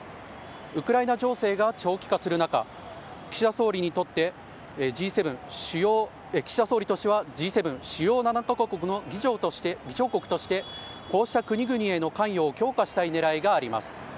ウクライナ情勢が長期化する中、岸田総理にとってはＧ７＝主要７か国の議長国としてこうした国々への関与を強化したい狙いがあります。